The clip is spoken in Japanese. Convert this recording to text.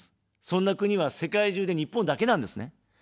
そんな国は世界中で日本だけなんですね。